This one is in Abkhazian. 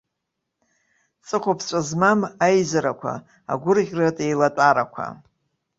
Ҵыхәаԥҵәа змам аизарақәа, агәырӷьаратә еилатәарақәа.